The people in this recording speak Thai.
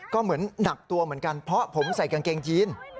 ก็เหมือนหนักตัวเหมือนกันเพราะผมใส่กางเกงยีน